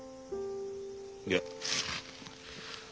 いや。